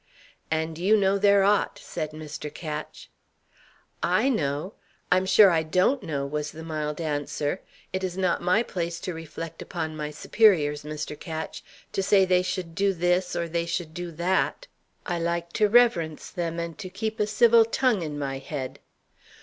"And you know there ought," said Mr. Ketch. "I know! I'm sure I don't know," was the mild answer. "It is not my place to reflect upon my superiors, Mr. Ketch to say they should do this, or they should do that. I like to reverence them, and to keep a civil tongue in my head."